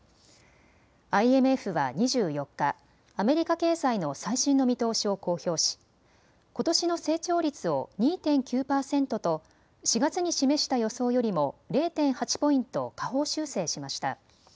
ＩＭＦは２４日、アメリカ経済の最新の見通しを公表しことしの成長率を２．９％と４月に示した予想よりも０．８ポイント下方修正しました。